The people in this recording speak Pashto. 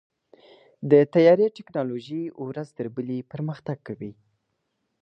د طیارې ټیکنالوژي ورځ تر بلې پرمختګ کوي.